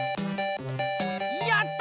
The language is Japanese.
やった！